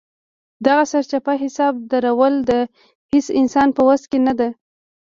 دغه سرچپه حساب درول د هېڅ انسان په وس کې نه ده.